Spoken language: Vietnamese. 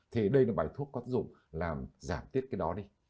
thì đây là bài thuốc có áp dụng làm giảm tiết cái đó đi